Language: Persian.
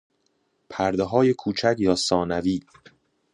پرده های کوچک یا ثانوی